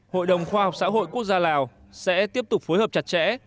hội đồng khoa học xã hội quốc gia lào sẽ tiếp tục phối hợp chặt chẽ